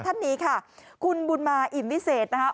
ท่านนี้ค่ะคุณบุญมาอิ่มวิเศษนะคะ